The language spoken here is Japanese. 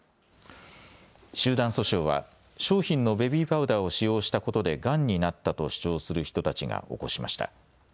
集団訴訟は商品のベビーパウダーを使用したことでがんになったと主張する人たちが起こしました。